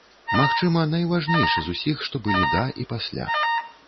Магчыма, найважнейшы з усіх, што былі да і пасля.